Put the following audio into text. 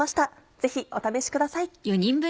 ぜひお試しください。